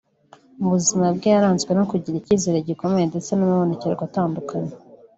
mu buzima bwe yaranzwe no kugira icyizere gikomeye ndetse n’amabonekerwa atandukanye